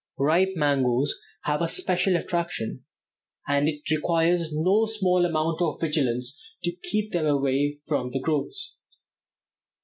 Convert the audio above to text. Ripe mangoes have a special attraction, and it requires no small amount of vigilance to keep them away from the groves.